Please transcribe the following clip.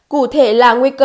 cụ thể là nguy cơ